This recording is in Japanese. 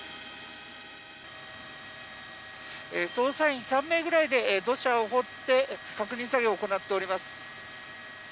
捜査員３名ぐらいで土砂を掘って確認作業を行っております。